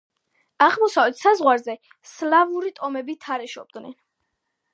აღმოსავლეთ საზღვარზე სლავური ტომები თარეშობდნენ.